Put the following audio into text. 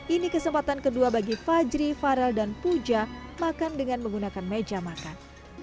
ini kesempatan kedua bagi fajri farel dan puja makan dengan menggunakan meja makan